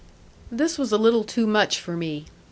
This was a little too much for me.